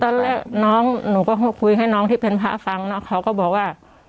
ตอนแรกน้องหนูก็คุยให้น้องที่เป็นพระฟังเนอะเขาก็บอกว่า